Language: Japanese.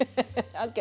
ＯＫ